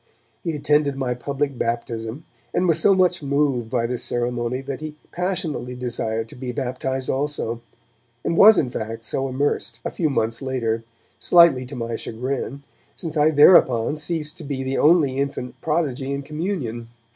He attended my public baptism, and was so much moved by this ceremony that he passionately desired to be baptized also, and was in fact so immersed, a few months later, slightly to my chagrin, since I thereupon ceased to be the only infant prodigy in communion.